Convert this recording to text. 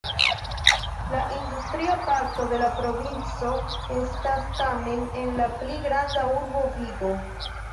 La industria parto de la provinco estas tamen en la pli granda urbo Vigo.